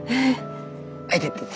あっいてて。